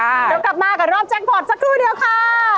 เดี๋ยวกลับมากับรอบแจ็คพอร์ตสักครู่เดียวค่ะ